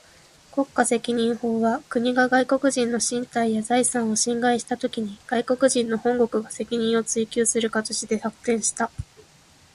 国家責任法は、国が外国人の身体や財産を侵害したときに、外国人の本国が責任を追求する形で発展した。